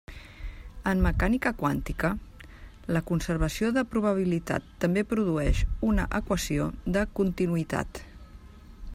En mecànica quàntica, la conservació de probabilitat també produeix una equació de continuïtat.